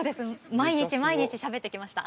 毎日毎日しゃべってきました。